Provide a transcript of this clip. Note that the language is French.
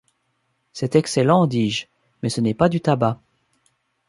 C’est excellent, dis-je, mais ce n’est pas du tabac.